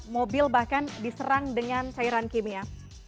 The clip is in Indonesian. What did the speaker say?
mobil bahkan diserang dengan cairan kimia